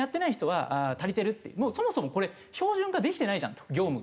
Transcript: もうそもそもこれ標準化できてないじゃんと業務が。